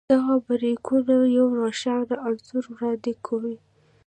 دغه ډبرلیکونه یو روښانه انځور وړاندې کوي.